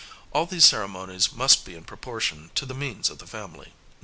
All these ceremonies must be in proportion to the means of the family.